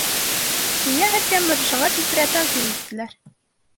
Миңә һеҙгә мөрәжәғәт итергә тәҡдим иттеләр